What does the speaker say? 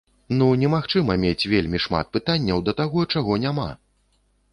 Ну немагчыма мець вельмі шмат пытанняў да таго, чаго няма!